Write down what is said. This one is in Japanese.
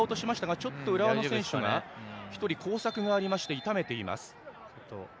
ちょっと浦和の選手が１人、交錯があって痛めています。